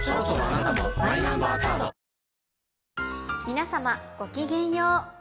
皆様ごきげんよう。